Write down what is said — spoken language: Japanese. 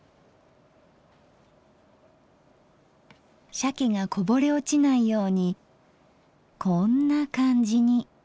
しゃけがこぼれ落ちないようにこんな感じに。